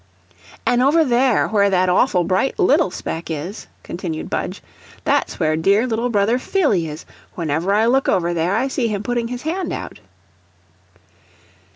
"An' over there where that awful bright LITTLE speck is," continued Budge, "that's where dear little brother Phillie is; whenever I look over there, I see him putting his hand out."